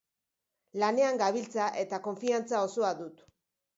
Lanean gabiltza eta konfiantza osoa dut.